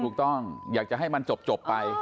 ถูกต้องอยากจะให้มันจบไป